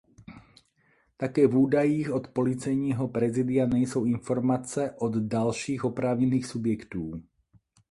Také v údajích od Policejního prezidia nejsou informace od dalších oprávněných subjektů.